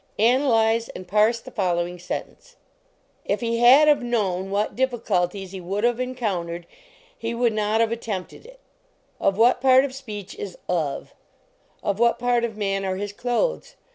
Analyze and parse the following sentence "If he had of known what difficulties he would of encoun tered, he would not of attempted it." Of what part of speech is "of"? Of what part of man are his clothes?